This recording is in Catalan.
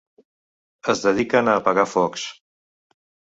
Es dediquen a apagar focs.